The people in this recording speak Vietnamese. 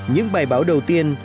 những bài báo đầu tiên